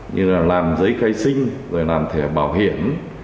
như là làm giấy cây xinh rồi làm thẻ bảo hiểm